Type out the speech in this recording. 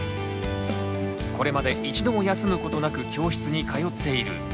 これまで一度も休むことなく教室に通っている。